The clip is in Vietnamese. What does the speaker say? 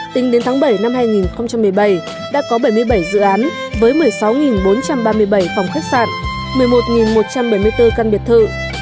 tính đến tháng bảy năm hai nghìn một mươi bảy đã có bảy mươi bảy dự án với một mươi sáu bốn trăm ba mươi bảy phòng khách sạn một mươi một một trăm bảy mươi bốn căn biệt thự